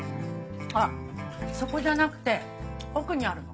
あっそこじゃなくて奥にあるの。